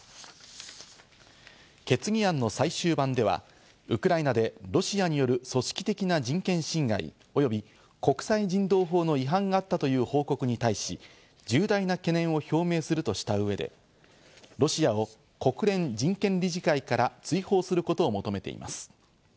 決議案の最終版ではウクライナでロシアによる組織的な人権侵害及び国際人道法の違反があったという報告に対し、重大な懸念を表明するとした上で、ロシアを国連人権理事会から追放することを求めています。